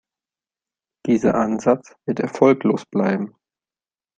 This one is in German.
Dieser Ansatz wird erfolglos bleiben.